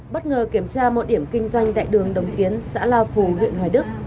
bất ngờ kiểm tra một điểm kinh doanh tại đường đồng kiến xã lao phù huyện hoài đức